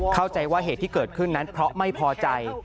เข้าใจว่าเหตุที่เกิดขึ้นนั้นเพราะไม่พอใจ